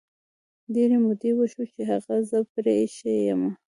ډیري مودې وشوی چې هغه زه پری ایښي یمه